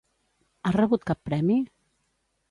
Ha rebut cap premi?